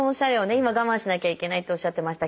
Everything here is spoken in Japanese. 今我慢しなきゃいけないっておっしゃってましたけど